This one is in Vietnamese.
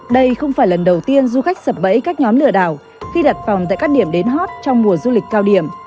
đây không phải lần đầu tiên du khách sập bẫy các nhóm lừa đảo khi đặt phòng tại các điểm đến hot trong mùa du lịch cao điểm